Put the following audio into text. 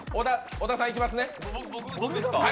小田さん、いきますね？